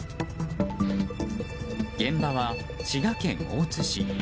現場は滋賀県大津市。